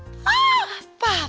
siapa yang telpon